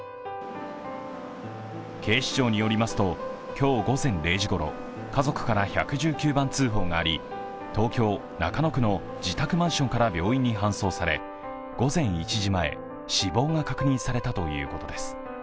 警視庁によりますと今日午前０時ごろ、家族から１１９番通報があり東京・中野区の自宅マンションから病院に搬送され午前１時前、死亡が確認されたということです。